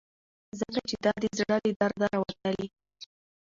ځکه چې دا د زړه له درده راوتلي.